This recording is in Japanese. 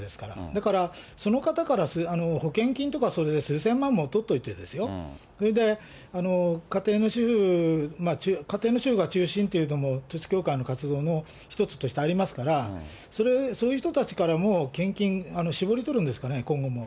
だから、その方から保険金とか、それで数千万も取っておいてですよ、それで家庭の主婦、家庭の主婦が中心というのも、統一教会の活動の一つとしてありますから、そういう人たちからも献金、絞り取るんですかね、今後も。